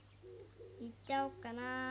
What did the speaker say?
言っちゃおっかな。